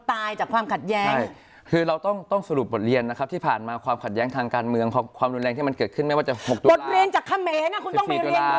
ถ้าคุณเรียนจากขมีคุณต้องไปเรียนรู้